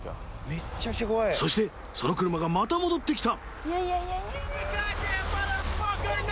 そしてその車がまた戻って来た。